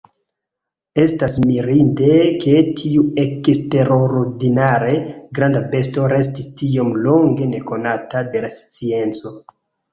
Estas mirinde ke tiu eksterordinare granda besto restis tiom longe nekonata de la scienco.